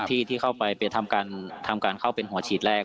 ที่เข้าไปทำการเข้าเป็นหัวฉีดแรก